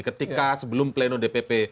ketika sebelum pleno dpp